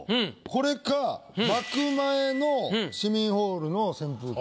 これか「幕前の市民ホールの扇風機」。